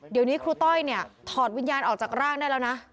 เดี๋ยวนี้ครูต้อยเนี่ยถอดวิญญาณออกจากร่างได้แล้วนะ